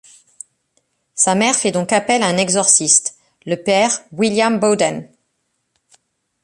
Sa mère fait donc appel à un exorciste, le père William Bowden.